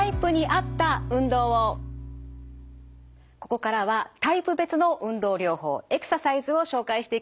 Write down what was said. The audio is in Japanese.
ここからはタイプ別の運動療法エクササイズを紹介していきます。